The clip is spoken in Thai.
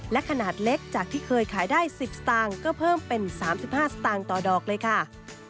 และขนาดเล็กจากที่เคยขายได้๑๐สตางค์ก็เพิ่มเป็น๓๕สตางค์ต่อดอกเลยค่ะ